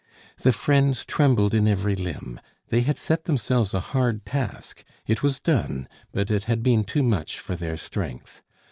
The friends trembled in every limb; they had set themselves a hard task, it was done, but it had been too much for their strength.